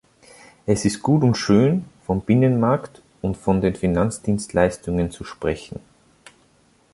Es ist gut und schön, vom Binnenmarkt und von den Finanzdienstleistungen zu sprechen.